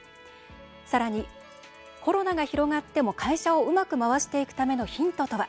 さらに、コロナが広がっても会社をうまく回していくためのヒントとは？